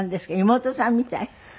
妹さんみたい？